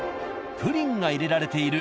プリンが入れられている